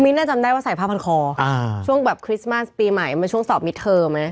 จำได้ว่าใส่ผ้าพันคอช่วงแบบคริสต์มาสปีใหม่มาช่วงสอบมิดเทอมไหม